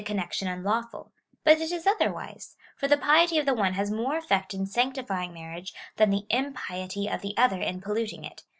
connection unlawful ; but it is otherwise, for the piety of the one has more effect in sanctifying mai'riage than the impiety of the other in polluting it.